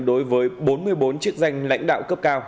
đối với bốn mươi bốn chức danh lãnh đạo cấp cao